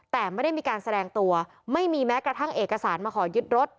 แต่ไม่ได้มีการแสดงตัวไม่มีแม้กระทั่งเอกสารมาขอยึดรถ